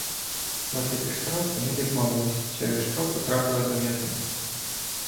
Сплатити штраф вони відмовились, через що потрапили до в'язниці.